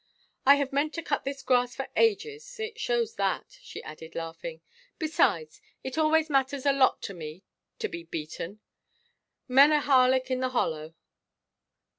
"I have meant to cut this grass for ages it shows that," she added, laughing. "Besides, it always matters a lot to me to be beaten. 'Men o' Harlech, in the hollow!'"